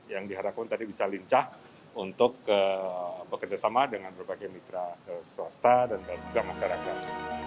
yang diharapkan tadi bisa lincah untuk bekerjasama dengan berbagai mitra swasta dan juga masyarakat